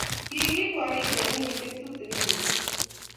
kikiib Waridi eng' kenyisiek tutegen mising